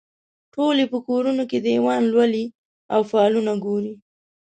ټول یې په کورونو کې دیوان لولي او فالونه ګوري.